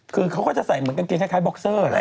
เขาก็จะใส่กางเกียร์คล้ายบ็อกเซอร์อ่ะเลย